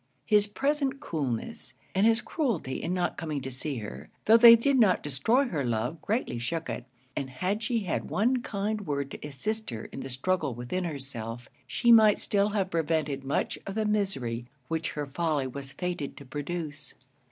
His present coolness, and his cruelty in not coming to see her, though they did not destroy her love, greatly shook it; and had she had one kind word to assist her in the struggle within herself, she might still have prevented much of the misery which her folly was fated to produce.